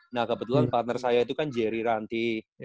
nah kebetulan partner saya itu kan jerry ranti